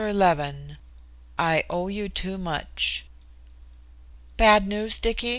XI "I OWE YOU TOO MUCH" "Bad news, Dicky?"